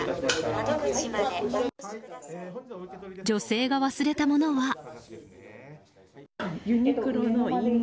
女性が忘れたものは。